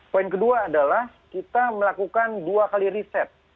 poin kedua adalah kita melakukan dua kali riset